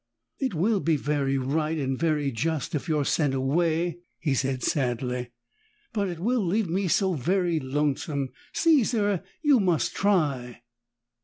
"It will be very right and very just if you are sent away," he said sadly, "but it will leave me so very lonesome. Caesar, you must try!"